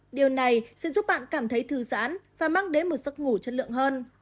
điều này sẽ giúp bạn cảm thấy thư giãn và mang đến một giấc ngủ chất lượng hơn